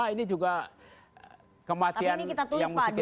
satu ratus tujuh puluh lima ini juga kematian yang musik kita juga